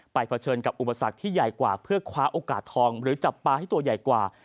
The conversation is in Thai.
เผชิญกับอุปสรรคที่ใหญ่กว่าเพื่อคว้าโอกาสทองหรือจับปลาที่ตัวใหญ่กว่า